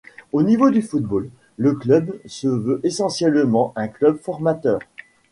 Au niveau du football, le club se veut essentiellement un club formateur.